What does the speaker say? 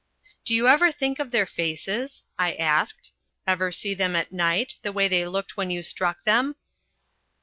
"Do you ever think of their faces?" I asked; "ever see them at night the way they looked when you struck them!"